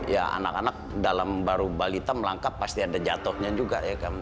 ya anak anak dalam baru balita melangkah pasti ada jatuhnya juga ya kan